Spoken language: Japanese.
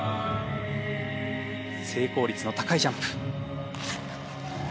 成功率の高いジャンプ。